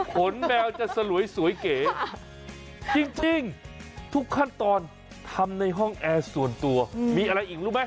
แมวจะสลวยสวยเก๋จริงทุกขั้นตอนทำในห้องแอร์ส่วนตัวมีอะไรอีกรู้ไหม